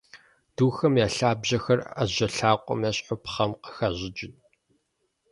Духэм я лъабжьэхэр ӏэжьэ лъакъуэм ещхьу пхъэм къыхащӏыкӏырт.